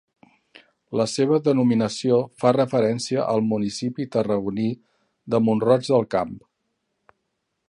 La seva denominació fa referència al municipi tarragoní de Mont-roig del Camp.